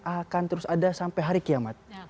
akan terus ada sampai hari kiamat